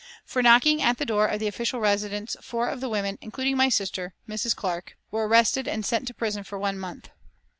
For knocking at the door of the official residence four of the women, including my sister, Mrs. Clark, were arrested and sent to prison for one month.